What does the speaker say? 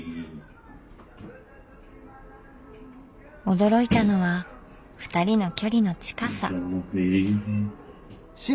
驚いたのはふたりの距離の近さ。